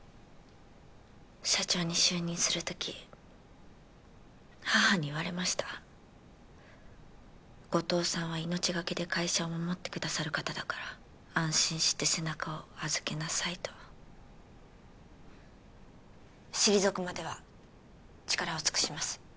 社長に就任する時母に言われました後藤さんは命がけで会社を守ってくださる方だから安心して背中を預けなさいと退くまでは力を尽くします